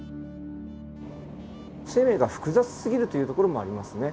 生命が複雑すぎるというところもありますね。